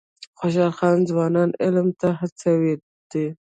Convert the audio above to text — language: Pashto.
خوشحال خان ځوانان علم ته هڅولي دي.